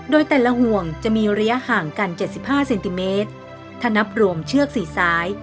โดยแต่ละห่วงจะมีระยะห่างกันเจ็ดสิบห้าเซนติเมตรถ้านับรวมเชือกสี่ซ้าย